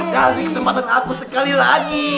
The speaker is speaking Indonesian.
kasih kesempatan aku sekali lagi